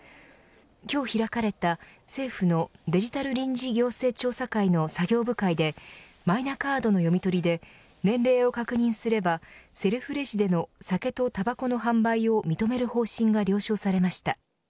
今日開かれた政府のデジタル臨時行政調査会の作業部会でマイナカードの読み取りで年齢を確認すればセルフレジでの酒とたばこの販売を認める方針が了承されました。